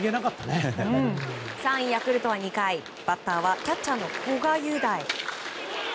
３位、ヤクルトは２回バッターはキャッチャーの古賀優大。